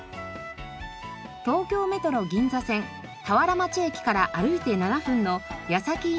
東京メトロ銀座線田原町駅から歩いて７分の矢先稲荷神社。